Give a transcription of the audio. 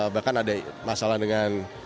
bahkan ada masalah dengan